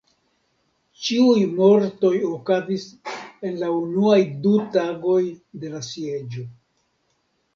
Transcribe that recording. Ĉiuj mortoj okazis en la unuaj du tagoj de la sieĝo.